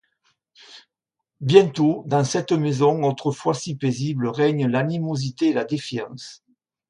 Bientôt, dans cette maison autrefois si paisible règnent l'animosité et la défiance.